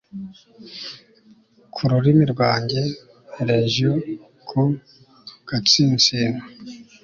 ku rurimi rwanjye. legio ku gatsinsino